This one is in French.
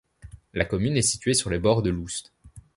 La commune est située sur les bords de l'Oust.